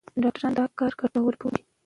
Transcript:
ډاکټران دا کار ګټور بولي.